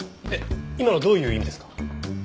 今のどういう意味ですか？